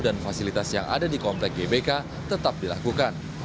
dan fasilitas yang ada di komplek gbk tetap dilakukan